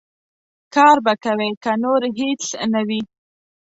کار به کوې، که نور هېڅ نه وي.